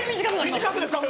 短くですか。